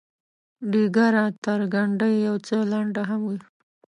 ډیګره تر ګنډۍ یو څه لنډه هم وي.